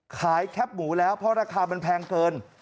แคปหมูแล้วเพราะราคามันแพงเกิน